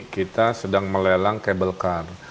kita sedang melelang kabel kar